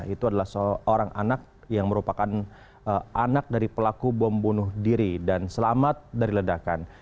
itu adalah seorang anak yang merupakan anak dari pelaku bom bunuh diri dan selamat dari ledakan